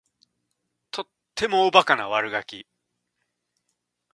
とってもおバカな悪ガキ